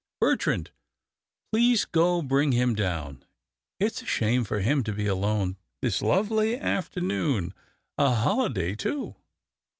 Bertrand, please go bring him down. It's a shame for him to be alone this lovely afternoon — a holiday, too."